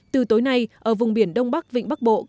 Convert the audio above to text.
từ tối nay ở vùng biển đông bắc vĩ bắc trung quốc